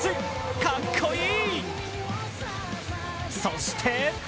かっこいい！